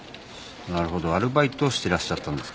なるほどアルバイトをしてらっしゃったんですか。